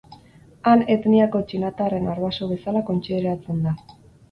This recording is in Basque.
Han etniako txinatarren arbaso bezala kontsideratzen da.